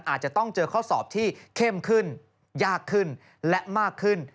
อาจจะต้องเจอข้อสอบที่เข้มขึ้นยากขึ้นและมากขึ้น